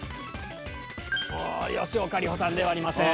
吉岡里帆さんではありません。